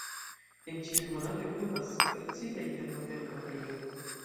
En ĉiuj monatoj pluvas, sed precipe inter novembro-aprilo.